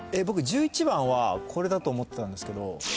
僕１１番はこれだと思ってたんですけど。